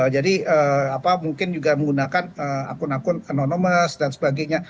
jadi mungkin juga menggunakan akun akun anonymous dan sebagainya